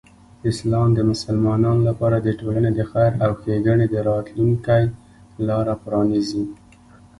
اسلام د مسلمانانو لپاره د ټولنې د خیر او ښېګڼې د راتلوونکی لاره پرانیزي.